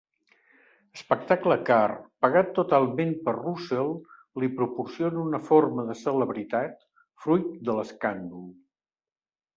Espectacle car, pagat totalment per Roussel, li proporciona una forma de celebritat, fruit de l'escàndol.